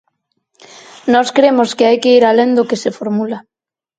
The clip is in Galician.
Nós cremos que hai que ir alén do que se formula.